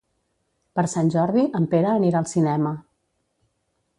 Per Sant Jordi en Pere anirà al cinema.